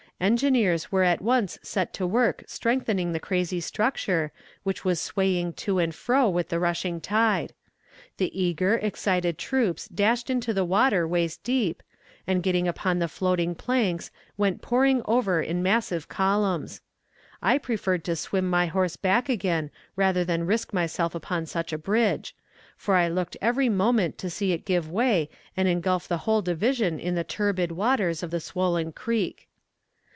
Engineers were at once set to work strengthening the crazy structure, which was swaying to and fro with the rushing tide. The eager, excited troops dashed into the water waist deep, and getting upon the floating planks went pouring over in massive columns. I preferred to swim my horse back again rather than risk myself upon such a bridge, for I looked every moment to see it give way and engulf the whole division in the turbid waters of the swollen creek.